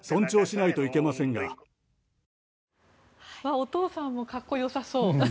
お父さんもかっこよさそう。